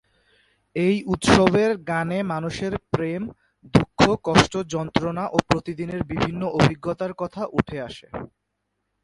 এই উৎসবের গানে মানুষের প্রেম, দুঃখ, কষ্ট, যন্ত্রণা ও প্রতিদিনের বিভিন্ন অভিজ্ঞতার কথা উঠে আসে।